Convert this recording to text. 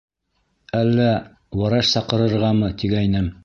— Әллә... врач саҡыртырғамы, тигәйнем.